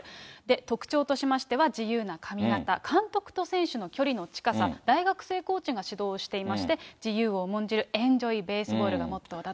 特徴としましては、自由な髪形、監督と選手の距離の近さ、大学生コーチが指導していまして、自由を重んじるエンジョイベースボールがモットーだと。